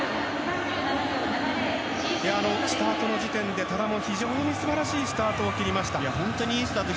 スタートの時点で多田も非常に素晴らしいスタートを切りました。